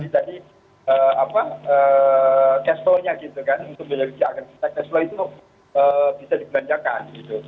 jadi tadi cash flow nya gitu kan untuk belanja akan kita cash flow itu bisa digunjakan gitu